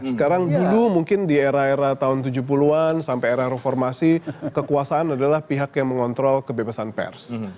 sekarang dulu mungkin di era era tahun tujuh puluh an sampai era reformasi kekuasaan adalah pihak yang mengontrol kebebasan pers